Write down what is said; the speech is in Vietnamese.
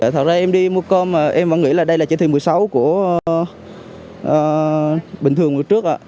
thật ra em đi mua cơm mà em vẫn nghĩ là đây là chỉ thị một mươi sáu của bình thường trước